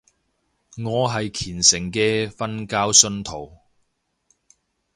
我係虔誠嘅瞓覺信徒